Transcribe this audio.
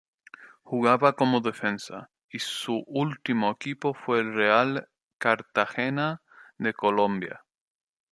Jugaba como defensa y su último equipo fue el Real Cartagena de Colombia.